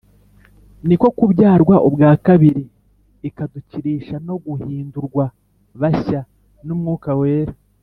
niko kubyarwa ubwa kabiri, ikadukirisha no guhindurwa bashya n'Umwuka Wera;